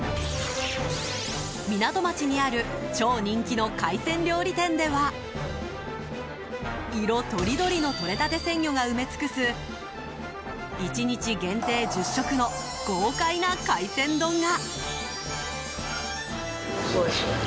港町にある超人気の海鮮料理店では色とりどりのとれたて鮮魚が埋め尽くす１日限定１０食の豪快な海鮮丼が！